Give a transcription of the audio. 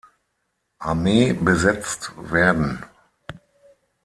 Armee besetzt werden.